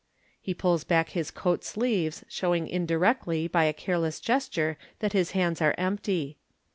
(He pulls back his coat sleeves, showing indirectly, by a careless gesture, that his hands are empty.)